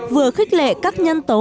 vừa khích lệ các nhân tố